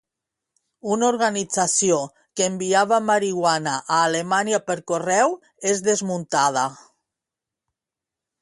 Una organització que enviava marihuana a Alemanya per correu és desmuntada.